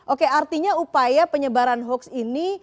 oke artinya upaya penyebaran hoax ini